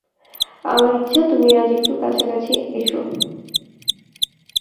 আমার ইচ্ছা, তুমি আজ একটু কাছাকাছি এসো।